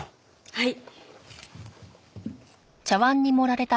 はい。